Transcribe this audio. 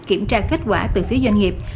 kiểm tra kết quả từ phía doanh nghiệp